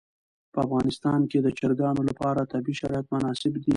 په افغانستان کې د چرګانو لپاره طبیعي شرایط مناسب دي.